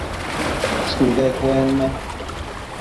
shudu cuenme